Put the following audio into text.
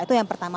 itu yang pertama